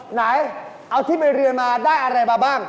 ไหนเอาที่ไปเรียนมาได้อะไรมาบ้าง